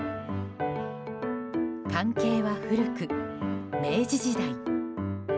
関係は古く、明治時代。